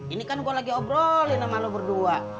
ini kan gue lagi obrolin sama lo berdua